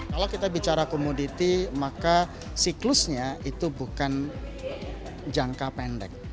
kalau kita bicara komoditi maka siklusnya itu bukan jangka pendek